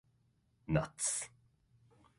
ナッツ